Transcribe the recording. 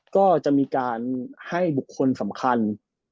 ก็จะมีการให้บุคคลสำคัญ